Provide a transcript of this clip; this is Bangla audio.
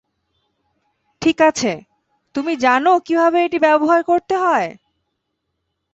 ঠিক আছে, তুমি জানো কিভাবে এটি ব্যবহার করতে হয়?